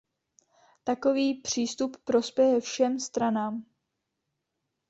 Takový přístup prospěje všem stranám.